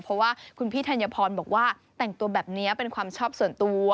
เพราะว่าคุณพี่ธัญพรบอกว่าแต่งตัวแบบนี้เป็นความชอบส่วนตัว